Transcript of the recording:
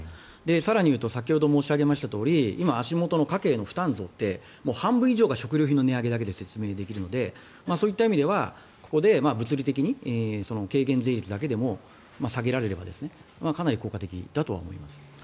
更に言うと先ほど申し上げましたとおり今、足元の家計の負担増って半分以上が食料品の値上げだけで説明できるのでそういった意味ではここで物理的に軽減税率だけでも下げられればかなり効果的だと思います。